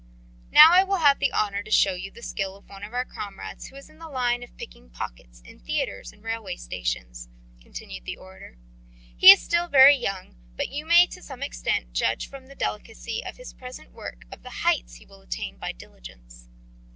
"Now I will have the honour to show you the skill of one of our comrades who is in the line of picking pockets in theatres and railway stations," continued the orator. "He is still very young, but you may to some extent judge from the delicacy of his present work of the heights he will attain by diligence.